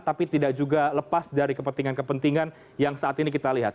tapi tidak juga lepas dari kepentingan kepentingan yang saat ini kita lihat